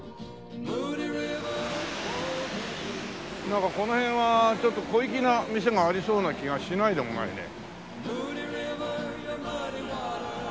なんかこの辺はちょっと小粋な店がありそうな気がしないでもないね。